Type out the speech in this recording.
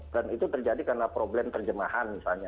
dan itu terjadi karena problem terjemahan misalnya